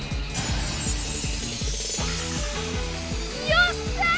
よっしゃ！